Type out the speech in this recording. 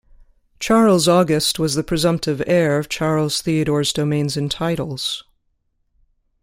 Charles August was the presumptive heir of Charles Theodore's domains and titles.